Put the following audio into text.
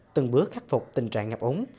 từng bước khắc phục tình trạng ngập ống